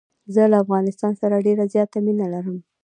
زه له افغانستان سره ډېره زیاته مینه لرم.